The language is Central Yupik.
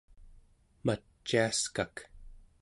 maciaskak